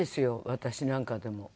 私なんかでも。